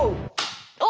お！